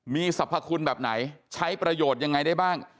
มีสรรพคุณแบบไหนใช้ประโยชน์ยังไงได้บ้าง